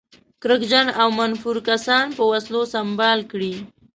کرکجن او منفور کسان په وسلو سمبال کړي.